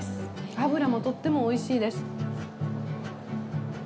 脂もとってもおいしいです。